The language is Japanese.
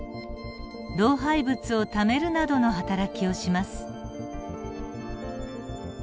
老廃物をためるなどのはたらきをします。